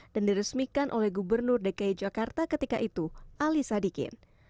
dan diresmikan oleh gubernur dki jakarta ketika itu ali sadikin